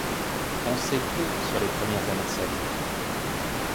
On sait peu sur les premières années de sa vie.